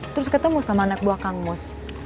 terus ketemu sama anak buah kang mus